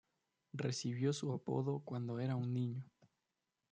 Recibió su apodo cuando era un niño.